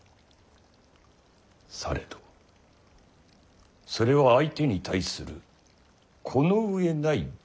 されどそれは相手に対するこの上ない侮辱である。